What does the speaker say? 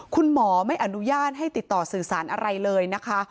คุณหมอไม่อนุญาตให้ติดต่อสื่อสารอะไรเลยนะคะ